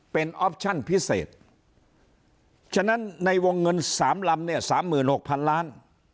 เป็นออปชั่นพิเศษฉะนั้นในวงเงิน๓ลำเนี่ย๓๖๐๐๐ล้าน